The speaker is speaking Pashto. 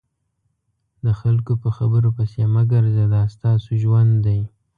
د خلکو په خبرو پسې مه ګرځه دا ستاسو ژوند دی.